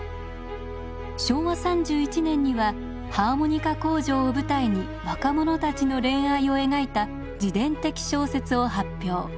昭和３１年にはハーモニカ工場を舞台に若者たちの恋愛を描いた自伝的小説を発表。